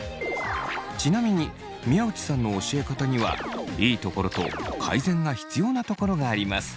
ちなみに宮内さんの教え方にはいいところと改善が必要なところがあります。